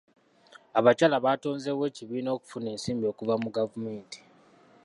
Abakyala batonzeewo ebibiina okufuna ensimbi okuva mu gavumenti.